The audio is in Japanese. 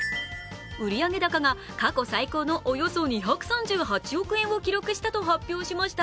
売上高が過去最高のおよそ２３８億円を記録したと発表しました。